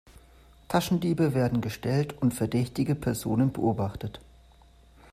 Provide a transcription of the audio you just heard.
Taschendiebe werden gestellt und verdächtige Personen beobachtet.